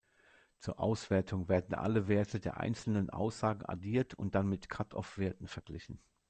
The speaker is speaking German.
Zur Auswertung werden alle Werte der einzelnen Aussagen addiert und dann mit Cut-off-Werten verglichen.